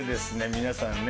皆さんね